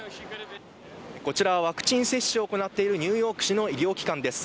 こちらはワクチン接種を行っているニューヨーク市の医療機関です。